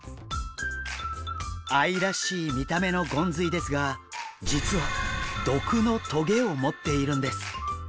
愛らしい見た目のゴンズイですが実は毒の棘を持っているんです。